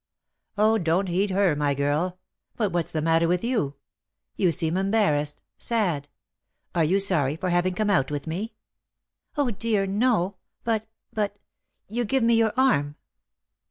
"Oh, don't heed her, my girl. But what's the matter with you? You seem embarrassed, sad. Are you sorry for having come out with me?" "Oh, dear, no; but but you give me your arm!"